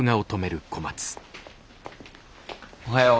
おはよう。